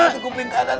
tukupin kanan mak